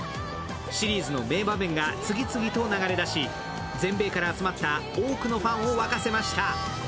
シリーズの名場面が次々と流れだし、全米から集まった多くのファンを沸かせました。